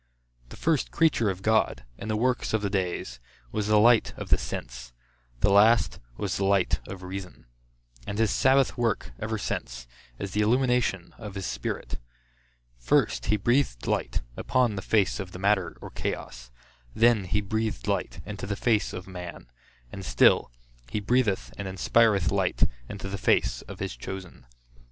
The first creature of God, in the works of the days, was the light of the sense; the last, was the light of reason; and his sabbath work ever since, is the illumination of his Spirit. First he breathed light, upon the face of the matter or chaos; then he breathed light, into the face of man; and still he breatheth and inspireth light, into the face of his chosen.